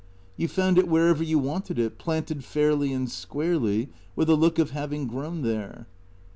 You found it wherever you wanted it, planted fairly and squarely, with a look of having grown there.